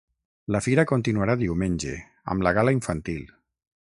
La fira continuarà diumenge, amb la gala infantil.